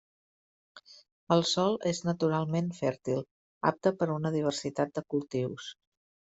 El sòl és naturalment fèrtil, apte per a una diversitat de cultius.